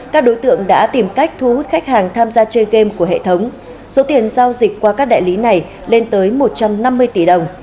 các đối tượng đã tìm cách thu hút khách hàng tham gia chơi game của hệ thống số tiền giao dịch qua các đại lý này lên tới một trăm năm mươi tỷ đồng